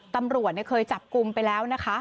ตำรวจเคยจับกลุ่มไปแล้วนะคะ